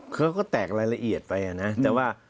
เขาก็แตกรายละเอียดไปนะแต่ว่า